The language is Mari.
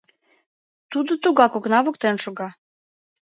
Тудо тугак окна воктен шога.